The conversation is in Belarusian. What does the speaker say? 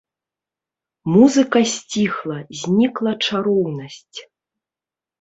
Музыка сціхла, знікла чароўнасць.